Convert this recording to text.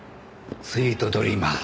「スイートドリーマー」。